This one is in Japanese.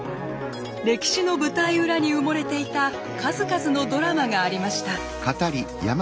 歴史の舞台裏に埋もれていた数々のドラマがありました。